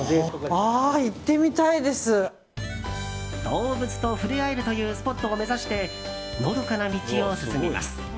動物と触れ合えるというスポットを目指してのどかな道を進みます。